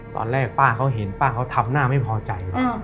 ตอนแรกป้าเขาเห็นป้าเขาทำหน้าไม่พอใจ